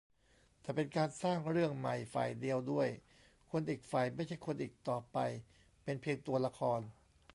แต่เป็นการสร้างเรื่องใหม่ฝ่ายเดียวด้วย คนอีกฝ่ายไม่ใช่คนอีกต่อไป เป็นเพียงตัวละคร